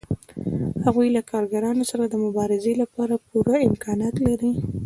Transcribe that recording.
هغوی له کارګرانو سره د مبارزې لپاره پوره امکانات لري